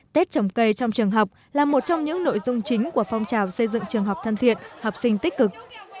tết trồng cây trong trường học là một trong những nội dung chính của phong trào xây dựng trường học thân thiện học sinh tích cực